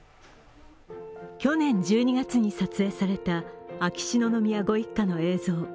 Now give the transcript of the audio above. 去年１２月に撮影された秋篠宮御一家の映像。